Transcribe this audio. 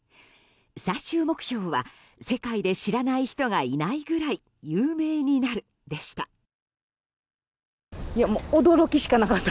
最終目標は世界で知らない人がいらないくらい有名になるでした。